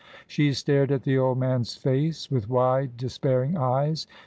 She stared at the old man's face with wide, despairing eyes.